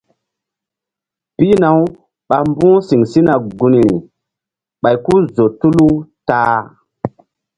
Pihna- uɓa mbu̧h siŋ sina gunri ɓay ku-u zo tulu ta-a.